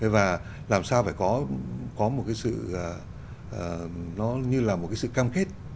và làm sao phải có một cái sự nó như là một cái sự cam kết